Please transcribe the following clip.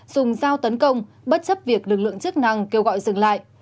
dùng dao tấn công bất chấp việc lực lượng chức năng kêu gọi dừng lại